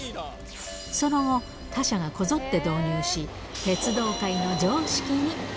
その後、他社がこぞって導入し、鉄道界の常識に。